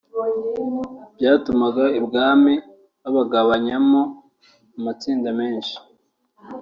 byatumaga ibwami babagabanyamo amatsinda menshi